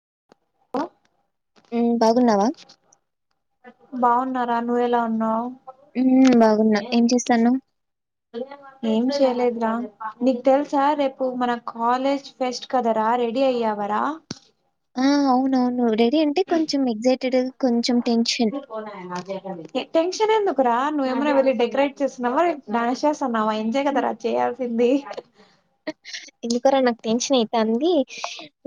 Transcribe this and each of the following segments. [unintelligible] ఉం బాగున్నావా బాగున్నారా నువ్వెలా ఉన్నావ్ హ్మ్. బాగున్నా. ఏం చేస్తన్నావు? ఏం చేయ్ లేదు నీకు తెలుసా రేపు మన కాలేజ్ ఫెస్ట్ కదరా రెడీ అయ్యవరా మ్మ్ అవునువును రే ఏ అంటే కొంచెం ఎగ్జైటెడ్ కొంచెం టెన్షన్ రా నువ వెళ్ డెకరేట్ చేస్తున్నావా డాన్స్ చేస్తన్నావా ఎంజాయి కదరా అ చేయాలి సింది ఎందుక రా నాకు టెన్షన్ అయితంది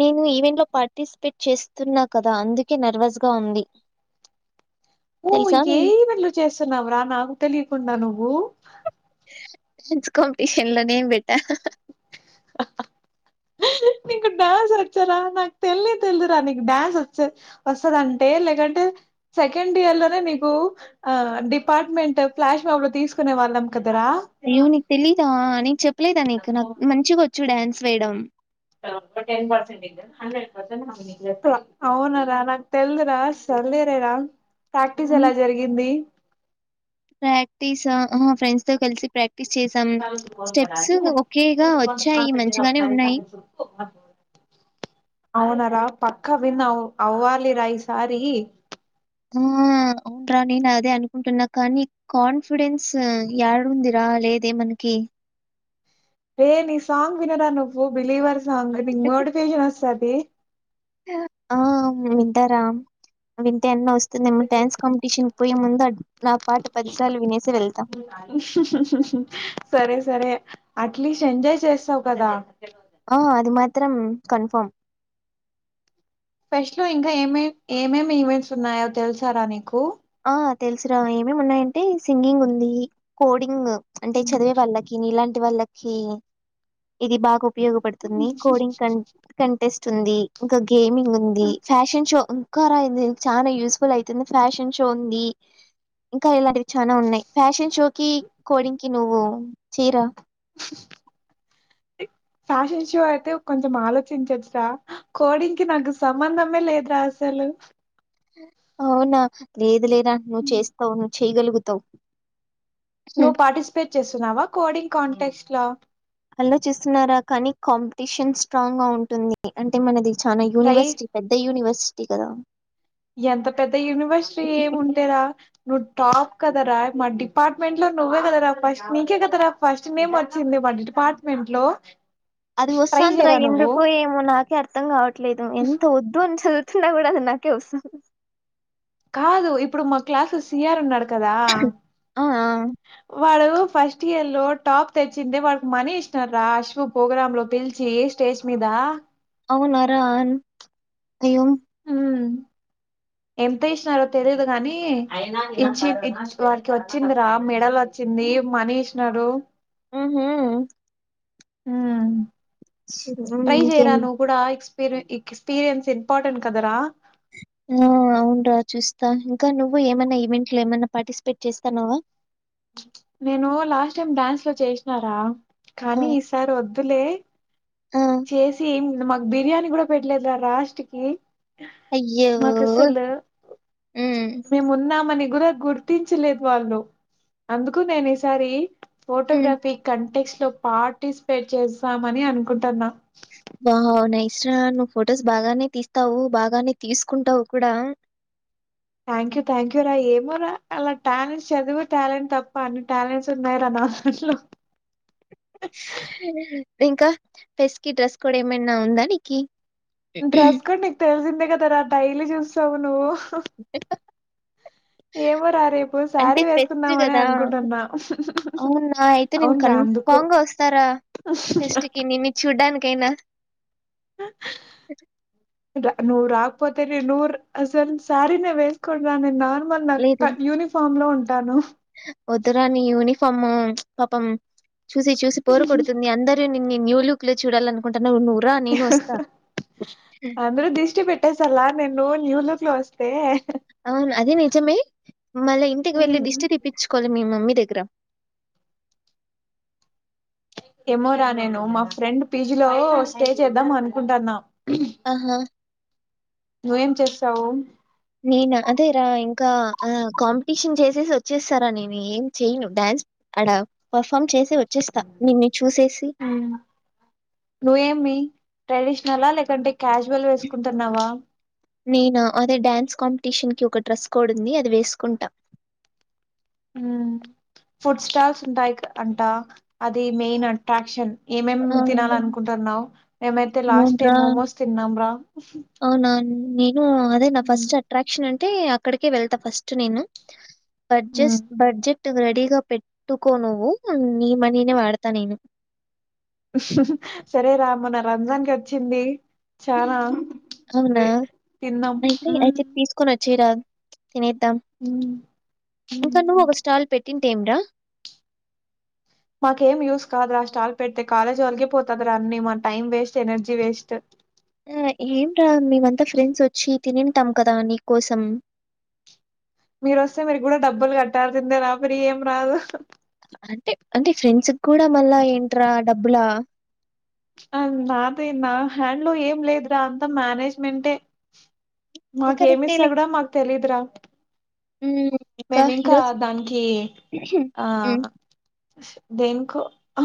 నేను ఈవెంట్ లో పార్టిసిపేట్ చేస్తున్నా కదా అందుకే నర్వస్ గా ఉంది ఊ తెలుసా నేను ఏవళ చేస్తున్నావ్రా నాకు తెలియకుండా నువ్వు డ్యాన్స్ కాంపిటీషన్ లో నేమ్ పెట్ట మ్మ్ అబ్బా నీకు డ్యాన్స్ వచ్చారా నాకు తేల్నే తెల్దురా నీకు డ్యాన్స్ వచ్చే వస్తదంటే లేదంటే సెకండ్ ఇయర్ లోనే నీకు ఆ డిపార్ట్మెంట్ ఫ్లాష్ మ్యాప్ లో తీసుకునే వాళ్ళం కదా అయ్యో నీకు తెలీదా నే చెప్పలేదా నీకు నాకు మంచిగా వచ్చు డ్యాన్స్ ఫ్రీడం అవునార నాకు తెల్దురా సరేలేరా ప్రాక్టీస్ ఎలా జరిగింది ప్రాక్టీస్ ఫ్రెండ్స్ తో కలిసి ప్రాక్ ఛాలెంజ్ కు పోతారా ఇవ్వు ఓకేగా వచ్చాయి. మంచిగానే ఉన్నాయి. [unintelligible] అవునార పక్క విన్ అవ్ అవ్వాలిరా ఈసారి మ్మ్ అవున్రా నేను అదే అనుకుంటున్నా కానీ కాన్ఫిడెన్స్ యడుందిరా లేదే మనకి రే నీ సాంగ్ వినరా నువ్వు బిలీవర్స్ స మేబి మోటివేషన్ వస్తది పే ఆ వింటారా వింటే అన్న వస్తుందేమో డ్యాన్స్ కాంపిటీషన్ పోయే ముందు నా పాట పదిసార్లు వినేస్ సరే సరే అట్లీస్ట్ ఎంజాయ్ చేస్తావు కదా ఆ అది మాత్రం కన్ఫార్మ్ ఫెష్ట్ లో ఇంకా ఏమే ఏమేమి ఈవెంట్స్ ఉన్నాయో తెలుసారా నీకు ఆ తెలుసు రా ఏమేమి ఉన్నాయంటే సింగింగ్ ఉంది కోడింగ్ అంటే చదివే వాళ్ళకి నిలాంట్ వాళ్ళకి ఇది బాగా ఉప్ ఉపయోగపడుతుంది కోడింగ్ క కంటెస్ట్ తుంది ఇంకా గిప్ గేమింగ్ ఉంది ఫ్యాషన్ షో కారా అయింది చాలా యూస్ఫుల్ అయితుంది ఫ్యాషన్ షో ఉంది ఇంకా ఇలాంటివి చానా ఉన్నాయి ఫ్యాషన్ షో కి కోడింగ్ కి నువ్వు చేయిరా ఫ్యాషన్ షో అయితే కొంచెం ఆలోచించచ్చరా కోడింగ్ కి నాకు సంబంధమే లేదరా అసలు అవునా లేదు లేదు బా నువ్వు చేస్తావును చేయగలుగుతావు హ్మ్ నువ్వు పార్టిసిపేట్ చేస్తున్నావా కోడింగ్ కాంటెక్స్ట్ లా ఆలోచిస్తున్నారా కానీ కాంపిటీషన్ స్ట్రాంగ్ గా ఉంటుంది అంటే మన ది చాన ట్రై యునిర్సిటీ పెద్ద యూనివర్సిటీ కదా ఎంత పెద్ద యూనివర్సిటీ ఏముంటేరా నువ్వు టాప్ కదరా మా డిపార్ట్మెంట్ లో నువ్వే కదా రా ఫస్ట్ నీకే కదా రా ఫస్ట్ నేమ్ వచ్చింది మాన డిపార్ట్మెంట్ లో అది ట్రై వస్తుంద రా చేయరా నువ్వు ఎందుకు ఏమో నాకే అర్థం కావట్లేదు ఎంత వద్దు అని చదువు తున్న కూడా అది నాకెవస్థానంది కాదు ఇప్పుడు మా క్లాస్ సీఆర్ ఉన్నాడ్ కదా అ వాడు ఫస్ట్ ఇయర్ లో టాప్ తెచ్చింది వాడికి మనీ ఇస్థాండ్రా అశ్్వ పోోగ్రామ్ లో పిలిచి స్టేజ్ మీద అవునా రా అయ్యో హు ఎంత ఏసినారో తెలియదు గాని అయినా హ్మ్ ఇచ్చ పిచ్ వారికి వచ్చిందిరా మెడల్ వచ్చింది మనీ ఇసినరు మ్ హు హ హ్మ్ ట్రై ఇంకేం చేయరా నువ్వు కూడా రు ఎక్స్పీరియన్స్ ఇంపార్టెంట్ కదరా ఆ అవును రా చూస్తా ఇంకా నువ్వు ఏమైన్నా ఈవెంట్లు ఏమైన్నా పార్టిసిపేట్ చేస్తాన్నావా నేను లాస్ట్ టైమ్ డ్యాన్స్ లో చేసినారా ఆ! కానీ ఈసారి వదు వద్దులే ఆ! చేసి మాకు బిర్యానీ కూడా పెట్టలేదా రా లాస్ట్ కి అయ్యో మాకు అసలు హ్మ్ గుర గుర్తించలేదు వాళ్ళు అందుకు నేను ఈసారి హ్మ్. ఫోటోగ్రాఫీ కంటెక్ట్ తో పార్టిసిపేట్ చేస్తామని అనుకుంటున్నా బా నైస్ రా నువ్వు ఫొటోస్ బాగానే తీస్తావు బాగానే తీసుకుంటావు కూడా థ్యాంక్ యూ థ్యాంక్ యూ రా ఏమో రా అలా టాలెంట్ చదువు టాలెంట్ తప్ప అన్ని టాలెంట్స్ ఉన్నాయిరా నా దాంట్లో ఇంకా ఫస్ట్ కి డ్రెస్ కూడా ఏమైనా ఉందా నీకి డ్రస్ కోడ్ నీకు తెలిసిందే కదా రా డైలీ చూసి స్తావు నువ్వు ఏమోరా రేపు అంటే శారీ ఫెస్ట్ వేసుకుందామని కదా అనుకుంటున్నా అవునా అయితే నేను అవునురా అందుకు కన్ఫామ్ గా వస్తారా ఫెస్ట్ కి నేన్ను చూడ్డానికి కెనా ఇ నువ్ రాకపోతే నేన్ నువ్ అసల్ సారీినే వేసుకొని రానాన్నను లేదు న్న యూనిఫామ్ లో ఉ తను వద్దురా ని యూనిఫార్మ్ పాపం చూసి చూసి బోరు కొడుతుంది అందరి ని న్యూ లుక్ లో చూడాలనుకుంటా అందరు దిష్టి పెట్టేస్తాళ్ల నేన్ న్యూ లుక్ లొస్త్ అవును అదే నిజమే మళ్ళీ ఇంటికి వెళ్ళి ఉమ్. దిష్టి తీప్పించుకోవాలి మీ మమ్మీ దగ్గరా ఏమో రా నేను మా ఫ్రెండ్ పీజీలో స్టే చేద్దాం అనుకుంటాన్నా అమ్మో ఏం చేస్తావు నేనా అదేరా ఇంకా కాంపిటీషన్ చేసేసి వచ్చేస్తారా నేను ఏం చెయను డ్యాన్స్ అడ పర్ఫామ్ చేసి వచ్చేస్తా నిన్ను చూసేసి ట్రెడిషనల్ ఆ లేకుంటే క్యాజువల్ వేసుకుంటున్నావా నేనా అదే డాన్స్ కాంపిటీషన్ కి ఒక డ్రెస్ కోడ్ ఉంది అది వేసుకుంటా. ఉ ఫుడ్ స్టాల్స్ ఉంటాయి అంటా అది మెయిన్ అట్రాక్షన్ ఏమేం ఆ! తినాలనుకుంటున్నావు మేమైతే లాస్ట్ టైం మోమోస్ తిన్నాం రా అవునాన్ మీ హు అదే నా మ్మ్ ఫస్ట్ అట్రాక్షన్ అంట టే అక్కడికే వెళ్తా ఫస్ట్ నేను బర్జెస్ మ్మ్ బర్జెక్ రెడీగా పెట్టుకో నువు నీ మనీనే వాడతా నేను సరే రా మొన్న రంజాన్ కి వచ్చింది చానా అవునా అయితే మ్మ్ అయితే తీసుకొని వ చ్చిరా తినేద్దాం మ్మ్ ఇంకా నువ్వు మ్మ్ ఒక స్టాల్ పెట్ తింటే ఏం రా మాకేం యూజ్ కాదురా స్టాల్ పెడితే కాలేజీ వాలకె పోతది రా అన్నీ మా టైం వేస్ట్ ఎనర్జీ వేస్ట్. ఆ ఏం రా మేమంతా ఫ్రెండ్స్ వచ్చి తిని ఉంటాం కదా నీ కోసం మీరు వస్తే మీరు కూడా డబ్బులు కట్టాల్సిందేనా ఫ్రీ ఏం రాదు అంటే అంటే ఫ్రెండ్స్ కూడా మళ్ళా ఏంట్రా డబ్బులా అ నాది నా హ్యాండ్లో ఏం లేదురా అంతా మేనేజ్మెంటే అది మాకు కరెక్టేలే. ఏమిస్తగడా మాకు తెలీదురా హ్మ్. మేమి ఇంకా ఈరోజు దానికి ఆ హ్మ్. దేనికో అ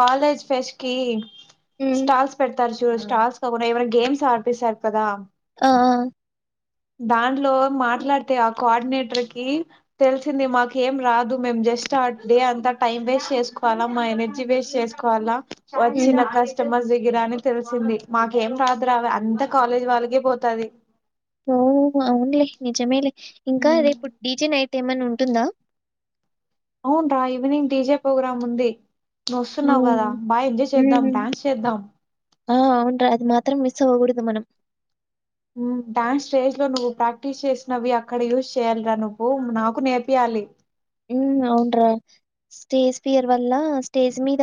కాలేజ్ ఫేస్కి హ్మ్. స్టాల్స్ పెడతారు స్టాల్స్ కాకుండా ఎవైనా గేమ్స్ ఆడిపిస్తారు కదా ఆ ఆ దాంట్లో మాట్లాడితే ఆ కోఆర్డినేటర్ క తెలిసింది మాక ఏం రాదు మేం జస్ట్ అట్డే అంతా టైం వేస్ట్ చేసుకోవాలా మా ఎనర్జీ వేస్ట్ చేసుకోవాలా హ్మ్. వచ్చిన కస్టమర్ దగ్గరని తెలిసింది మాకేం రాదు రా అంత కాలేజీ వాళ్ళకే పోతది ఓ అవున్లే నిజమేలే ఇంకా రేపు డీజి నైట్ తేమన్నా ఉంటుందా అవున రా ఈవెనింగ్ టీజే ప్రోగ్రామ్ ఉంది నువ్వు వస్తున్నావు కదా ఓహ్! బాగా ఎంజాయ్ చేద్దా హ్మ్. డాన్స్ చేద్దాం ఆ! అవునురా అది మాత్రం మిస్ అవ్వకూడదు మనం డాన్స్ స్టేజ్ లో నువ్వు ప్రాక్టీస్ చేసినవి అక్కడ యూజ్ చేయ్యాలిరా నువ్వు నాకు నేర్పియాలి అవునరా స్టేజ్ ఫియర్ వల్ల స్టేజ్ మీద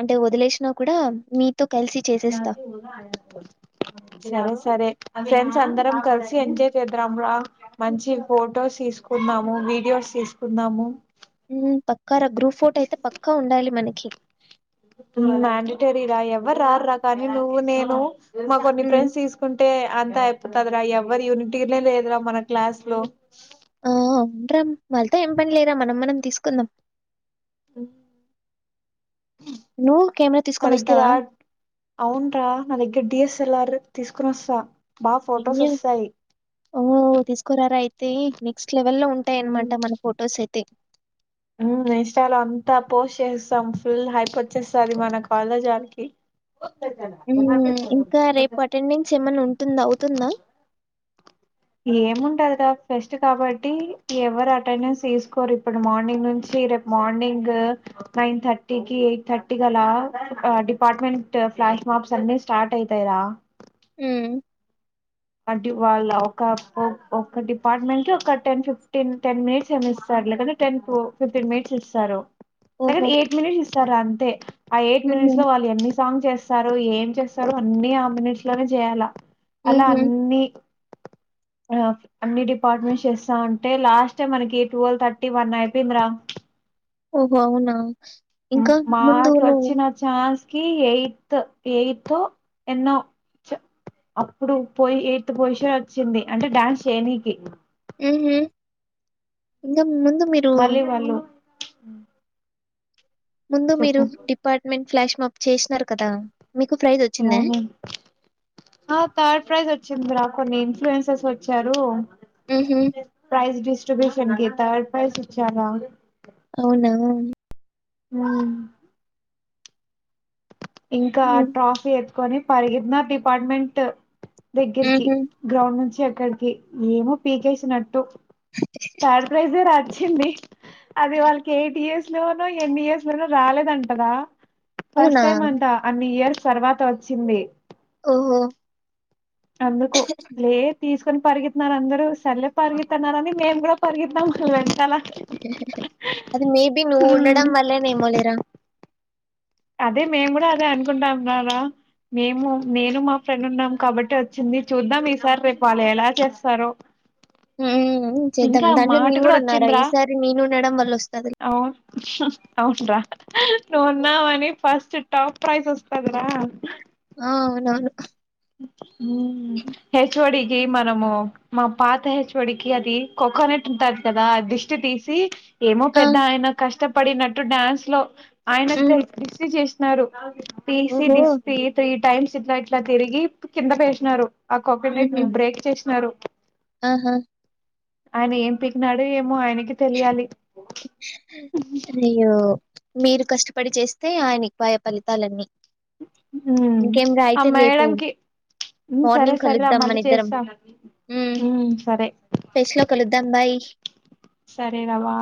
అంటే వదిలేసినా కూడా మీ సరే ఫ్రెండ్స్ అందరం కలిసి ఎంజాయ్ చేద్దం రా మంచి ఫొటోస్ తీసుకుందాము వీడియోస్ తీసుకుందాము హ్మ్ ప కర గ్రూప్ ఫోటో అయితే పక్కా ఉండాలి మనకి మ్యాండటరీరా ఎవర్రార్రా కానీ నువ్వు నేను మా కొన్ని హ్మ్. ఫ్రెండ్స్ తీసుకుంటే అంత దరా ఎవ్వరు యూనిటినే లేదురా మన క్లాస్ లో అవున్రా వాళ్ళతో ఏం పని లేదా మనం మనం తీసుకుందాం ఉహ్ నువ్వు కెమెరా తీసుకొనొస్తావా? నాదగ్గరా అవును రా నాదగ్గర డిఎస్ఎల్ఆర్ తీసుకొని వస్తా బా ఫొటోస్ వస్తాయి ఓహో తీసుకురారా అయితే నెక్స్ట్ లెవెల్ లో ఉంటాయి అనమాట మన ఫొటోస్ అయితే ఉమ్ ఇంస్టాలో అంతా పోస్ట్ చేసేస్తాం ఫుల్ హైప్ వచ్చేస్తాది మన కాలేజ్ ఆనికి ఉమ్ ఇంకా రేపు అటెండెన్స్ ఏమైన్నా ఉంటుందా అవుతుందా ఏముంటది రా ఫెస్ట్ కాబట్టి ఎవరు అటెండెన్స్ ఎసుక్కోరు, ఇప్పుడు మార్నింగ్ నుంచి రేపు మార్నింగ్, నైన్ థర్టీకి ఎయిట్ థర్టీ అలా డిపార్ట్మెంట్ ఫ్లాష్ మాప్స్ అన్ని స్టార్ట్ అయితయ్ రా హు అడి వాళ్ళ ఒక ఒ ఒక డిపార్టమెంట్లో ఒక టెన్ ఫిఫ్టీన్ టెన్ మినిట్స్ మె ఇస్సారులే లేదంటే టెన్ పో ఫిఫ్టీన్ మినిట్స్ ఇస్సారు. ఓహో! ఎరన్ ఏట్ మినిట్స్ ఇస్సార అం తే ఆ ఎయిట్ హుహు. మినిట్స్ లో వాళ్ళెన్ని సాంగ్ చేస్సారొ ఏం చేస్సారో అన్ని ఆ మినిట్స్ లోనే చేయాల ఉహు ని అ అన్ని డిపార్ట్మెంట్స్ చేస్సా ఉంటే లాస్టె మనకి టువల్ థర్టీ వన్ అయిపెందిరా ఓహో అవునా. ఆ ఇంకా ముందు నువ్వు మాకొచ్చిన ఛాస్ కి ఎయిత్ ఎయితొ ఎన్నో చ్, అప్పుడు పోయ్ ఎయిత్ పోసిన్ వచ్చింది. అంటే డ్యాన్స్ చేనికి హుహు ఇంగ మళ్ళీ వాళ్ళు ఉ ముందు మీరు డిపార్ట్మెంట్ ఫ్లాష్ మాకు చేస్నారు కదా. మీకు ప్రైజ్ వచ్చిందా? అవును ఆ థర్డ్ ప్రైజ్ వచ్చింది రా. కొన్ని ఇన్ఫ్లుయెన్సెస్ వచ్చారు. ఊహూ. ప్రైజ్ డిస్ బ్యూషన్ కి తార్డ్ పైస్ ఇచ్చారా అవునా ఉ ఇంకా హ్మ్. ట్రాఫీ ఎత్కొని పరిగిత్నా డిపార్ట్మెంట్ దగ్గరికి, హుహు. గ్రౌండ్ నుంచి అక్కడికి ఏమో పీకేసినట్టు, థార్డ్ ప్రైజే రాచ్చింది, అది వాళ్ళకి ఎయిట్ ఇయర్స్ లోనొ, ఎన్ని ఇయర్స్ లోనొ రాలేదంటరా ఫస్ అవునా? టెం అంటా అన్ని ఇయర్స్ తర్వాత వచ్చింది. ఓహో అందుకు లే తీస్ కని పరుగిత్నారు అందరూ సర్లే పరుగిత్తన్నారని, మేము కూడా పర్ఇత్తాం అది మేబి నువ్వు ఉండడం వల్లే నేమో లేరా అదే మేము కూడా అదే అనుకుంటాంరారా, మేము నేను మా ఫ్రెండ్ ఉన్నాం కాబట్టి వచ్చింది, చూద్దాం ఈసారి రేపు వాళ్ళు ఎలా చేస్సారొ హు ఈవెనింగ్ చేద్దాం దాంలో నేను కూడా ఉన్నారా ఈసారి నేను ఉండడం వల్ల వస్తదిలే అవున్రా నువ్వున్నావని ఫస్ట్ టాప్ ప్రైజ్ వస్తాదరా ఆ అవునవును మ్మ్ హ్మ్ మ్మ్ హెచ్ ఒ డి ఏ మనము మా పాత హెచ్ ఒ డి కి అది కోకోనట్ ఉంటది కదా దిష్టి తీసి ఏమో ఆ! పెద్ద ఆయన కష్టప్ పడినట్టు డ్యాన్స్ లో ఆయన క హ్మ్. దిష్టి చేస్ న్నారు పీసీ ఓహో! దిస్పి తిత్ టైమ్స్ఇట్లా ఇట్లా తిరిగి కింద పేసినారు ఆ కోకనెట్ ని హుహు. బ్రేక్ చేసినారు ఆహా! ఆయన ఏం పీకినాడు ఏమో ఆయనక్ ఈ తెలియాలి అయ్యో మీరు కష్టపడి చేస్తే ఆయనకి పాయ ఫలితాలన్నీ మ్మ్ ఇంకేమి రా ఆ అయితే రేపు మేడం కి "ఉమ్, సరే మార్నింగ్ సరేరా కలుద్దాం మన మళ్ళీ ఇద్దరం చేస్తా మ్మ్ ఉమ్ సరే ఫెష్ లో కలుద్దాం బాయ్ సరే రావా